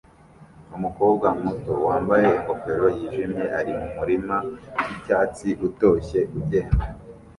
Umukobwa muto wambaye ingofero yijimye ari mumurima wicyatsi utoshye ugenda